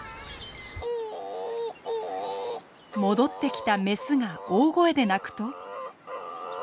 戻ってきた雌が大声で鳴くと。